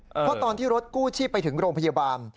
เพราะตอนที่รถกู้ชีพไปถึงโรงพยาบาล